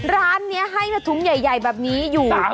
ร้านนี้ให้มาถุงใหญ่แบบนี้อยู่